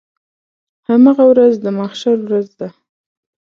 هماغه ورځ د محشر ورځ ده.